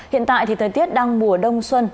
hiện tại thì thời tiết đang mùa đông xuân